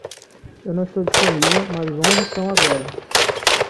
Eu não estou disponível, mas onze estão agora.